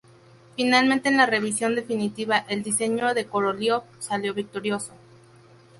Finalmente, en la revisión definitiva, el diseño de Koroliov salió victorioso.